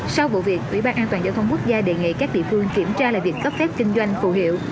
sau vụ việc ủy ban an toàn giao thông quốc gia đề nghị các địa phương kiểm tra lại việc cấp phép kinh doanh phụ hiệu